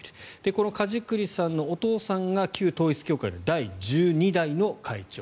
この梶栗さんのお父さんが旧統一教会の第１２代の会長。